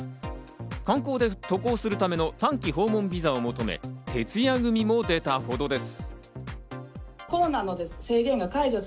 観光で渡航するための短期訪問ビザを求め徹夜組も出たほどです。